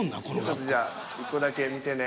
１つじゃあ１個だけ見てね。